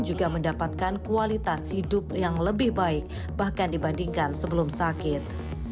juga mendapatkan kualitas hidup yang lebih baik bahkan dibandingkan sebelum sakit